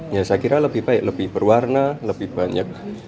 ya saya kira lebih baik lebih berwarna lebih banyak